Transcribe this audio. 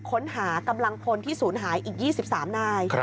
ค้นหากำลังพลที่ศูนย์หายอีก๒๓นาย